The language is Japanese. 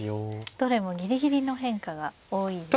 どれもギリギリの変化が多いんですね。